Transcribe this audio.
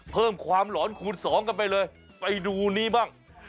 เพิ่มความหลอนคูณสองกันไปเลยไปดูนี้บ้าง